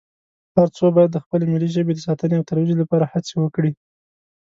هر څو باید د خپلې ملي ژبې د ساتنې او ترویج لپاره هڅې وکړي